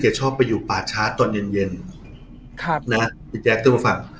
ชอบไปอยู่ป่าช้าตอนเย็นเย็นครับนะฮะพี่แจ๊คต้องมาฟัง